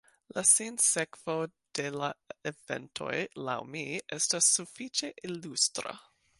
La sinsekvo de la eventoj, laŭ mi, estas sufiĉe ilustra.